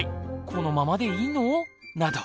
このままでいいの⁉など。